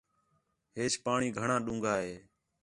ہیچ پاݨی گھݨاں ݙُونگھا ہِے